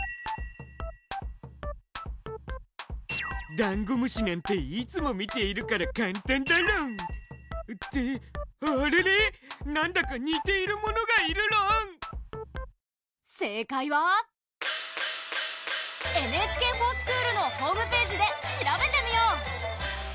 ダンゴムシなんていつも見ているから簡単だろん！ってあれれなんだか似ているものがいるろん⁉正解は「ＮＨＫｆｏｒＳｃｈｏｏｌ」のホームページで調べてみよう！